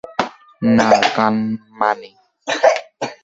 না, কানমাণি!